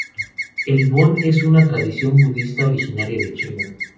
El Bon es una tradición budista, originaria de China.